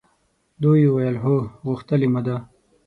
دوی وویل هو! غوښتلې مو ده.